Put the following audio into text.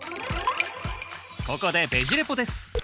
ここでベジ・レポです。